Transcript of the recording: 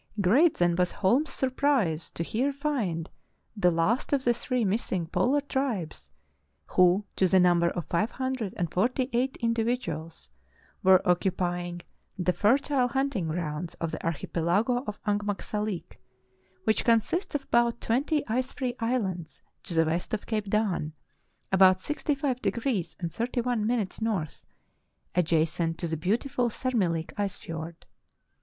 Great then was Holm's surprise to here find the last of the three missing polar tribes, who to the number of five hundred and forty eight individuals were occupying the fertile hunting grounds of the archi pelago of Angmagsalik, which consists of about twenty ice free islands to the west of Cape Dan, about 65° 31 N., adjacent to the beautiful Sermihk ice fiord.